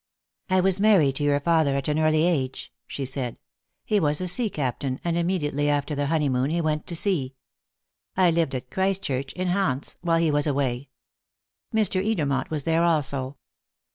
"I was married to your father at an early age," she said. "He was a sea captain, and immediately after the honeymoon he went to sea. I lived at Christchurch, in Hants, while he was away. Mr. Edermont was there also."